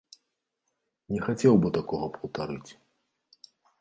Не хацеў бы такога паўтарыць.